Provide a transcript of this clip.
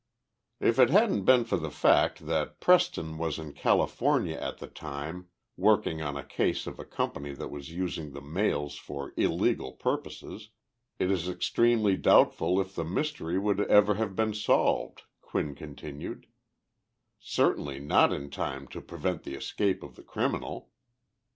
If it hadn't been for the fact that Preston was in California at the time, working on the case of a company that was using the mails for illegal purposes, it is extremely doubtful if the mystery would ever have been solved [Quinn continued]; certainly not in time to prevent the escape of the criminal.